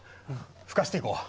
吹かしていこう。